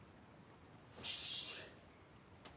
よし。